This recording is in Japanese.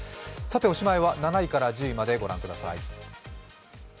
おしまいは７位から１０位までご覧ください。